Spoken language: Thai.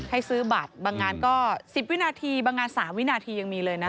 ให้ซื้อบัตรบางงานก็๑๐วินาทีบางงาน๓วินาทียังมีเลยนะ